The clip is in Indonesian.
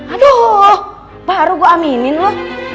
aduh baru gua aminin lu